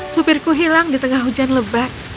supirku hilang di tengah hujan lebat